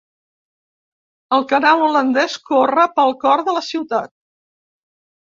El canal holandès corre pel cor de la ciutat.